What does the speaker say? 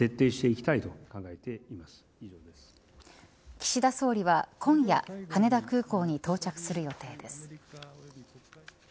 岸田総理は今夜羽田空港に到着する予定です。